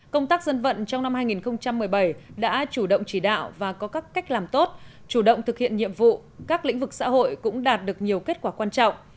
công tác dân vận trong năm hai nghìn một mươi bảy đã chủ động chỉ đạo và có các cách làm tốt chủ động thực hiện nhiệm vụ các lĩnh vực xã hội cũng đạt được nhiều kết quả quan trọng